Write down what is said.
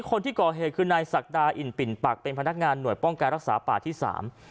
คนที่ก่อเหตุคือนายศักดาอินปิ่นปักเป็นพนักงานหน่วยป้องการรักษาป่าที่สาม